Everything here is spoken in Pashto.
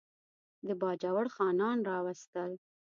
د باجوړ خانان راوستل.